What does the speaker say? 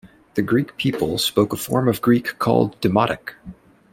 The Greek people spoke a form of Greek called Demotic.